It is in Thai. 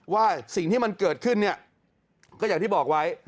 ว่าสิ่งที่มันเกิดขึ้นเนี่ยก็อย่างที่บอกไว้